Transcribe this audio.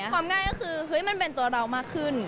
ความง่ายก็คือเฮ้ยมันเป็นตัวเรามากขึ้น